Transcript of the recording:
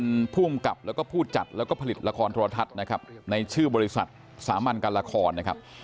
เป็นผู้กำกับแล้วก็ผู้จัดแล้วก็ผลิตละครโทรทัศน์นะครับในชื่อบริษัทสามัญการละครนะครับ